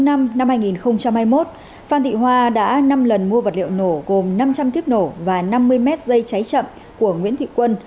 năm hai nghìn hai mươi một phan thị hoa đã năm lần mua vật liệu nổ gồm năm trăm linh kiếp nổ và năm mươi mét dây cháy chậm của nguyễn thị quân